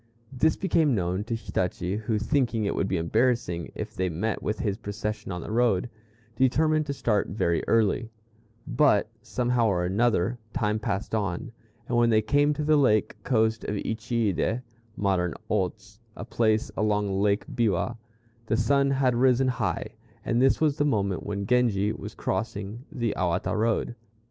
This became known to Hitachi, who, thinking it would be embarrassing if they met with his procession on the road, determined to start very early; but, somehow or another, time passed on, and when they came to the lake coast of Uchiide (modern Otz, a place along Lake Biwa), the sun had risen high, and this was the moment when Genji was crossing the Awata Road.